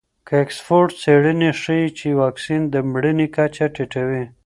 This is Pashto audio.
د اکسفورډ څېړنې ښیي چې واکسین د مړینې کچه ټیټوي.